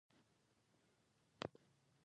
د هوښیارتیا دروازه د خپل ځان پېژندنه ده.